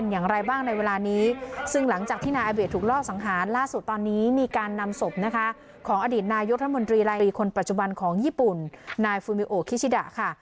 อย่างญี่ปุ่นนายฟูเมโอกิชิดะ